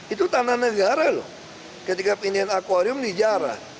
itu tanah negara loh ketika pindahan akwarium dijarah